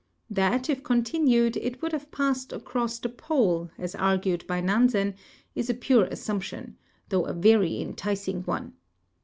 That, if continued, it would have passed across the Pole, as argued by Nansen, is a pure assumption, though a veiy enticing one.